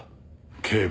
警部